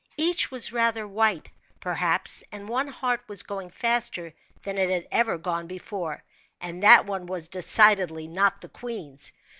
Each was rather white, perhaps, and one heart was going faster than it had ever gone before, and that one was decidedly not the queen's.